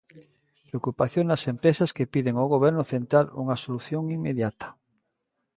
Preocupación nas empresas, que piden ao Goberno central unha solución inmediata.